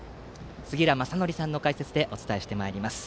杉浦正則さんの解説でお伝えします。